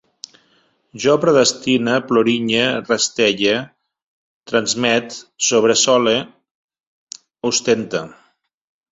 Jo predestine, plorinye, rastelle, transmet, sobresole, ostente